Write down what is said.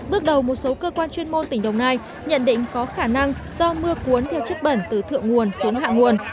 bước đầu một số cơ quan chuyên môn tỉnh đồng nai nhận định có khả năng do mưa cuốn theo chất bẩn từ thượng nguồn xuống hạ nguồn